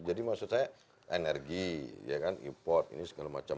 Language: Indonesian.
jadi maksud saya energi ya kan impor ini segala macam